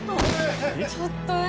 ちょっと何？